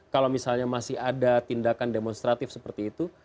kalau misalnya masih ada tindakan demonstratif seperti itu